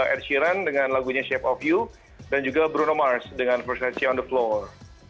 ed sheeran dengan lagunya chef of you dan juga bruno mars dengan prestasi on the flower